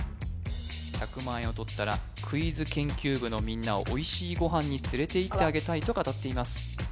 １００万円をとったらクイズ研究部のみんなをおいしいご飯に連れていってあげたいと語っています